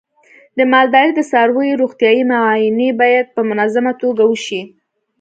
د مالدارۍ د څارویو روغتیايي معاینې باید په منظمه توګه وشي.